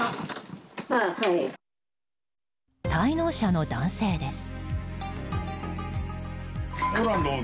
滞納者の男性です。